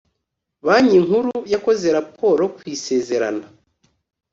banki nkuru yakoze raporo ku isezerana